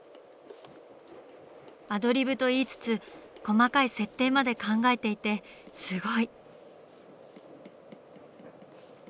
アドリブと言いつつ細かい設定まで考えていてすごい。